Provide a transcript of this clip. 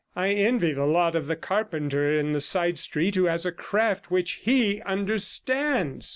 I envy the lot of the carpenter in the side street who has a craft which he understands.